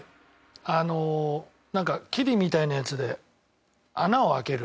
あのなんかキリみたいなやつで穴を開ける。